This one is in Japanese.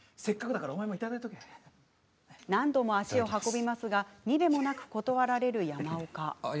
何度も足を運びますがにべもなく断られる山岡。